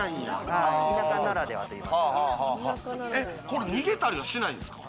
田舎ならではといいますか。